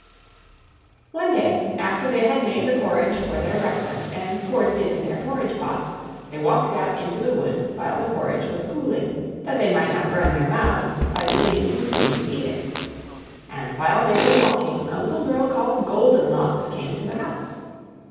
One day, after they had made the porridge for their breakfast, and poured it into their porridge pots, they walked out into the wood while the porridge was cooling, that they might not burn their mouths by beginning too soon to eat it. And while they were walking, a little Girl called Goldenlocks came to the house.